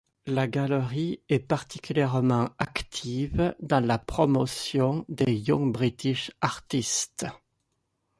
La galerie est particulièrement active dans la promotion des Young British Artists.